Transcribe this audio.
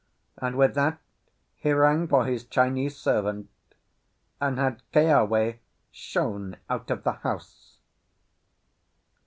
And with that he rang for his Chinese servant, and had Keawe shown out of the house.